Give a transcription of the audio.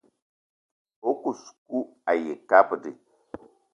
O kous kou ayi kabdi.